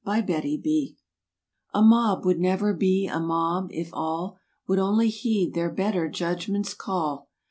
WHEN MEN HEED A mob would never be a mob if all Would only heed their better judgment's call.